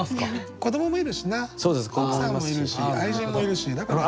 子どももいるしな奥さんもいるし愛人もいるしだから。